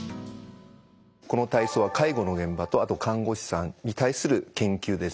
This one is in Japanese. この体操は介護の現場とあと看護師さんに対する研究です。